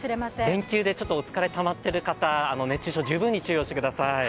連休でお疲れ、たまっている方、熱中症に十分注意をしてください。